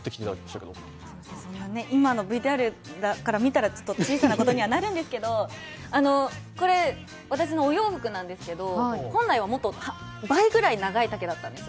今のＶＴＲから見たら小さなことにはなるんですけれども、私のお洋服なんですけど、本来は倍くらい長い丈だったんです。